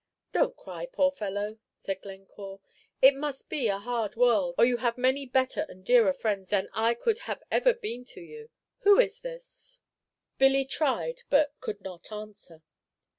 "Don't cry, poor fellow," said Glencore; "it must be a hard world, or you have many better and dearer friends than I could have ever been to you. Who is this?" Billy tried, but could not answer.